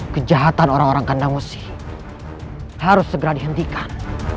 kejahatan orang orang kandang mesti harus segera dihentikan